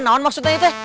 namun maksudnya ya teh